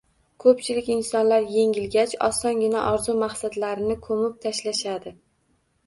Ko‘pchilik insonlar yengilgach, osongina orzu-maqsadlarini ko‘mib tashlashadi.